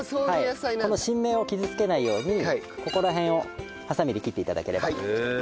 この新芽を傷つけないようにここら辺をハサミで切って頂ければ。